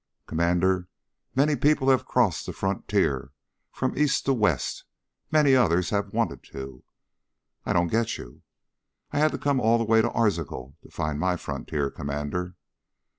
"Commander, many people have crossed the frontier from East to West. Many others have wanted to." "I don't get you." "I had to come all the way to Arzachel to find my frontier, Commander."